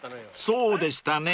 ［そうでしたね］